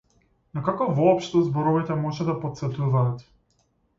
Но како воопшто зборовите може да потсетуваат?